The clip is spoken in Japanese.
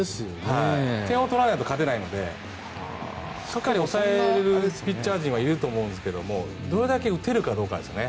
点を取らないと勝てないのでしっかり抑えられるピッチャー陣はいると思うんですがどれだけ打てるかどうかですよね。